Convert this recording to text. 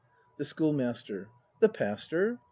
The Schoolmaster. The Pastor